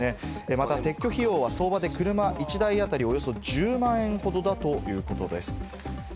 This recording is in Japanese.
また撤去費用は相場で車１台当たりおよそ１０万円ほどだということです。